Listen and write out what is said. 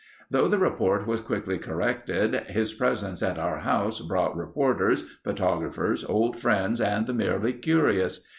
Though the report was quickly corrected, his presence at our house brought reporters, photographers, old friends, and the merely curious.